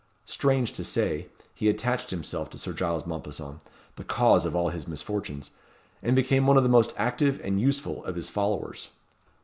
Strange to say, he attached himself to Sir Giles Mompesson, the cause of all his misfortunes, and became one of the most active and useful of his followers.